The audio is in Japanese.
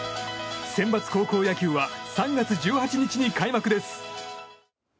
センバツ高校野球は３月１８日に開幕です。